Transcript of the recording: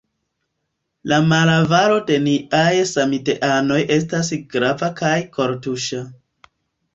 la malavaro de niaj samideanoj estas grava kaj kortuŝa.